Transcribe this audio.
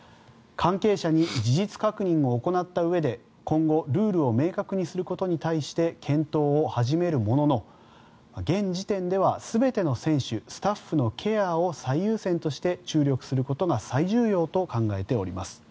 関係者に事実確認を行ったうえで今後、ルールを明確にすることに対して検討を始めるものの、現時点では全ての選手、スタッフのケアを最優先として注力することが最重要と考えております。